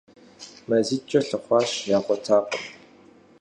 МазитӀкӀэ лъыхъуащ, ягъуэтакъым.